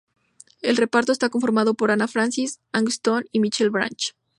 El reparto está conformado por Anna Faris, Angie Stone y Michelle Branch.